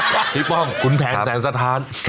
พี่ป้องขุนแผนแสนสถาน